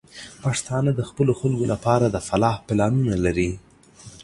پښتانه د خپلو خلکو لپاره د فلاح پلانونه لري.